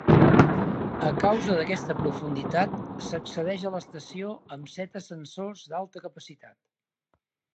A causa d'aquesta profunditat s'accedeix a l'estació amb set ascensors d'alta capacitat.